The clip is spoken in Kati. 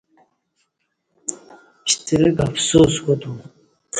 شترک افسوس کوتوم